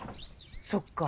そっか。